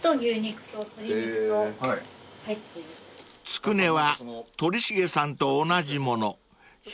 ［つくねは鳥茂さんと同じもの］